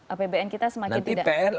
apbn kita semakin tidak